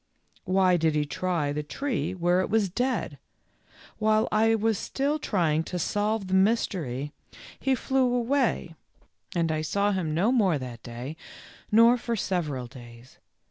Why did he try the tree where it was dead ? While I was still trying to solve the mystery, he flew away and 28 THE LITTLE FORESTERS. I saw him no more that day, nor for several days.